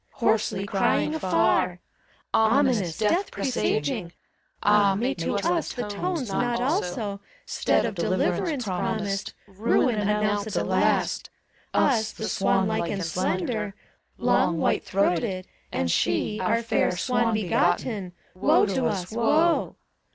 Hoarsely crying afar! ACT in. 156 Ominous, death presaging I Ah, may to us the tones not also, Stead of deliverance promised. Ruin announce at the last I — Us, the swan like and slender, Long white throated, and She, Our fair swan begotten. Woe to us, woe!